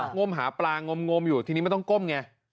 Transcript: งมหาปลางมอยู่ทีนี้ไม่ต้องก้มไง